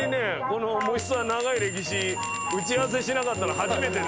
この『もしツア』長い歴史打ち合わせしてなかったの初めてですよ。